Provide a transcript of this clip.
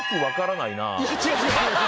いや違う違う。